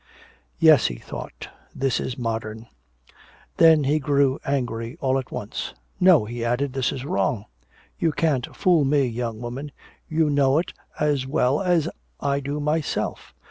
"Yes," he thought, "this is modern." Then he grew angry all at once. "No," he added, "this is wrong! You can't fool me, young woman, you know it as well as I do myself!